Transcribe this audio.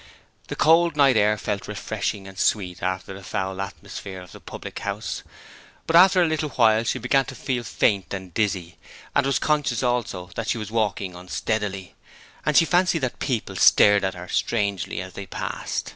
The cold night air felt refreshing and sweet after the foul atmosphere of the public house, but after a little while she began to feel faint and dizzy, and was conscious also that she was walking unsteadily, and she fancied that people stared at her strangely as they passed.